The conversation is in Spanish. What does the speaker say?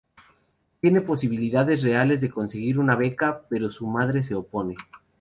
Tiene posibilidades reales de conseguir una beca, pero su madre se opone.